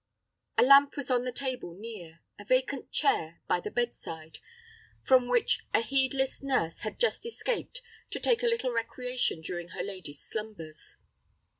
A lamp was on a table near, a vacant chair by the bedside, from which a heedless nurse had just escaped to take a little recreation during her lady's slumbers.